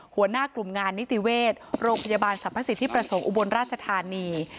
หัวหน้ากลุ่มงานนิติเวชโรงพยาบาลสรรพสิทธิประสงค์อุบลราชธานี